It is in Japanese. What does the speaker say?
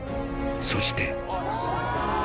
そして。